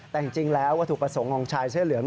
แต่จริงแล้ววัตถุประสงค์ของชายเสื้อเหลือง